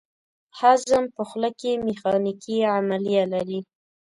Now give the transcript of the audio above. هضم په خوله کې میخانیکي عملیه لري.